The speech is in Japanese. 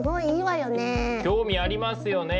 興味ありますよね。